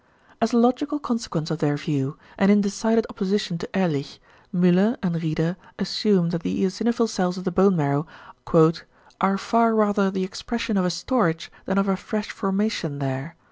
As a logical consequence of their view, and in decided opposition to Ehrlich, Müller and Rieder assume that the eosinophil cells of the bone marrow "are far rather the expression of a storage than of a fresh formation there.